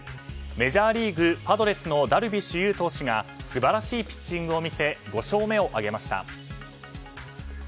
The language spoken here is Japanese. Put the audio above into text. メジャーリーグ、パドレスのダルビッシュ有投手が素晴らしいピッチングを見せ５勝目を挙げました。